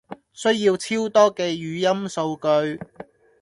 需要超多嘅語音數據